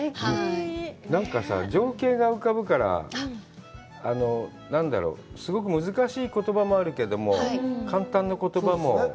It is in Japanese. なんかさ、情景が浮かぶから、すごく難しい言葉もあるけども、簡単な言葉も。